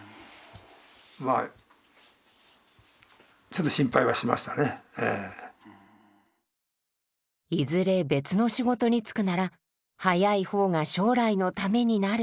まあ「いずれ別の仕事に就くなら早い方が将来のためになる」。